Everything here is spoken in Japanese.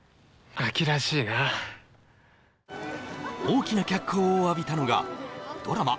アキらしいな大きな脚光を浴びたのがドラマ